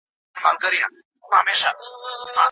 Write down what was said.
د ایران بازارونو ته زموږ مالونه رسېږي.